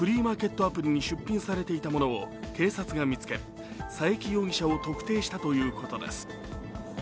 アプリに出品されていたものを警察が見つけ佐伯容疑者を特定したということです。